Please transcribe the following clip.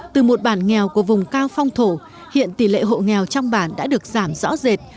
từ một bản nghèo của vùng cao phong thổ hiện tỷ lệ hộ nghèo trong bản đã được giảm rõ rệt